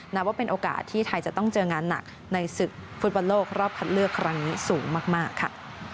นับว่าเป็นโอกาสที่ไทยจะต้องเจองานหนักในศึกฟุตบอลโลกรอบคัดเลือกครั้งนี้สูงมากค่ะ